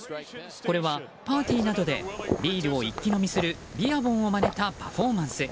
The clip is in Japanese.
これはパーティーなどでビールを一気飲みするビアボンをまねたパフォーマンス。